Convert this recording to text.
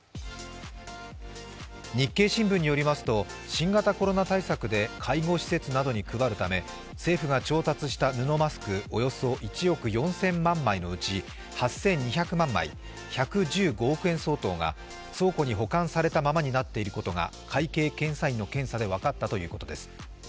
日経新聞によりますと新型コロナ対策で介護施設などに配るため政府が調達した布マスクおよそ１億２万枚のうち、８２００万枚、１１５億円相当が倉庫に保管されたままになっていることが会計検査院の検査で分かったということです。